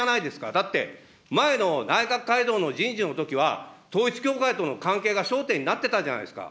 だって前の内閣改造の人事のときは、統一教会との関係が焦点になってたじゃないですか。